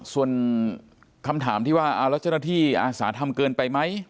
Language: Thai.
ส่วนคำถามที่ว่าเอาแล้วเจ้าหน้าที่อาสาทำเกินไปไหม